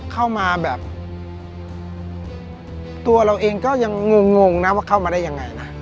เข้ามาแบบตัวเราเองก็ยังงงงนะว่าเข้ามาได้ยังไงนะ